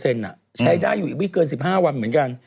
ใช้ได้อยู่อีกไม่เกิน๑๕วันเหมือนกัน